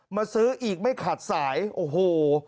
มาซื้ออีกไม่ขาดสายโอ้โห